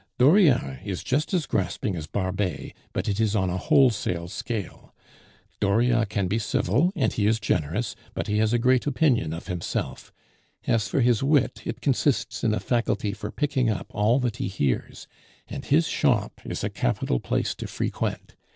"Dauriat is just as grasping as Barbet, but it is on a wholesale scale. Dauriat can be civil, and he is generous, but he has a great opinion of himself; as for his wit, it consists in a faculty for picking up all that he hears, and his shop is a capital place to frequent.